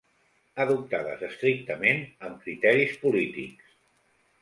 Adoptades estrictament amb criteris polítics.